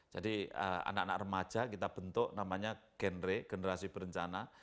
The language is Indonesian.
jadi anak anak remaja kita bentuk namanya genre generasi berencana